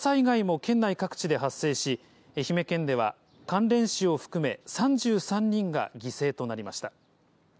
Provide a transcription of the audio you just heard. また、土砂災害も県内各地で発生し、愛媛県では関連死を含め３３人が犠牲となりました。